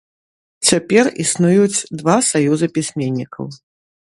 Цяпер існуюць два саюзы пісьменнікаў.